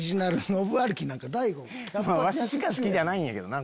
ワシしか好きじゃないんやけどな。